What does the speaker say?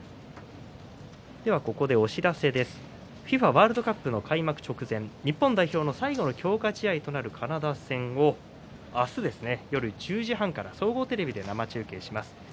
ワールドカップの開幕直前、日本代表の最後の強化試合となるカナダ戦を１７日、夜１０時半から総合テレビで生中継します。